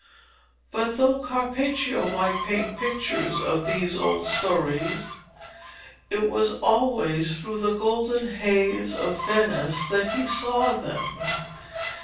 But though Carpaccio might paint pictures of these old stories, it was always through the golden haze of Venice that he saw them.